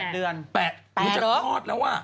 ๘เดือน๘มันจะคลอดแล้วว่ะ